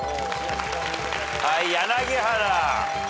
はい柳原。